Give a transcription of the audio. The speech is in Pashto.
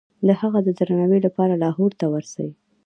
د هغه د درناوي لپاره لاهور ته ورسي.